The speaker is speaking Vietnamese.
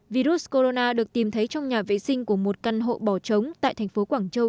virus corona được tìm thấy trong nhà vệ sinh của một căn hộ bỏ trống tại thành phố quảng châu